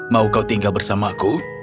mau kau tinggal bersamaku